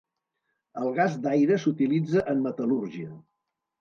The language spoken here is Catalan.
El gas d'aire s'utilitza en metal·lúrgia.